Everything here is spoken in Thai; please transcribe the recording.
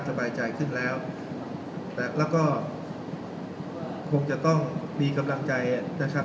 สบายใจขึ้นแล้วนะครับแล้วก็คงจะต้องมีกำลังใจนะครับ